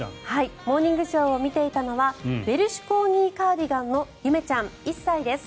「モーニングショー」を見ていたのはウェルシュ・コーギー・カーディガンのゆめちゃん１歳です。